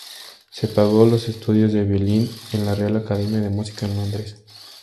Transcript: Se pago los estudios de violín en la real Academia de Música en Londres.